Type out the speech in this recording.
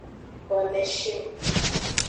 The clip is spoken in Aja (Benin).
Koneshion.